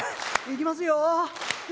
行きますよ。